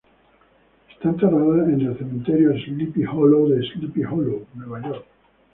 Está enterrado en el Cementerio Sleepy Hollow de Sleepy Hollow, Nueva York.